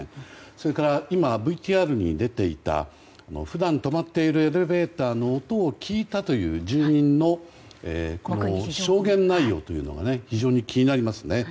それから、今ＶＴＲに出ていた普段、止まっているエレベーターの音を聞いたという住民の証言内容というのが非常に気になりますね。